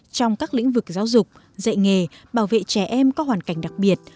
trong các lĩnh vực giáo dục dạy nghề bảo vệ trẻ em có hoàn cảnh đặc biệt